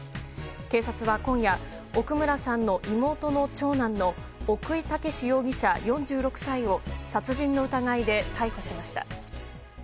警察は今夜奥村さんの妹の長男の奥井剛容疑者、４６歳を殺人の疑いで逮捕しました。